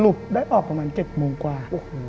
ได้ออกประมาณ๗โมงกว่า